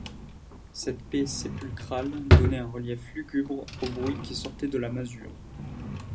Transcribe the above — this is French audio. Cette paix sépulcrale donnait un relief lugubre aux bruits qui sortaient de la masure.